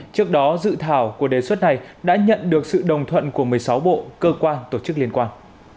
trước đó dự thảo của đề xuất này đã nhận được sự đồng thuận của một mươi sáu bộ cơ quan tổ chức liên quan